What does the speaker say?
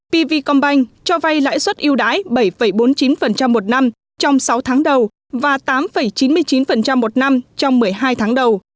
pv combank cho vay lãi suất yêu đái bảy bốn mươi chín một năm trong sáu tháng đầu và tám chín mươi chín một năm trong một mươi hai tháng đầu